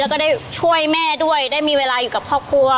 แล้วก็ได้ช่วยแม่ด้วยได้มีเวลาอยู่กับครอบครัว